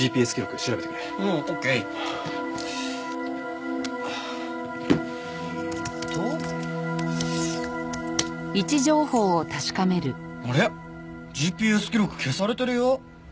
ＧＰＳ記録消されてるよ。